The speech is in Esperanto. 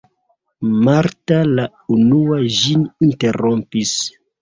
Marta la unua ĝin interrompis.